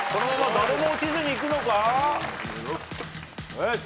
よし。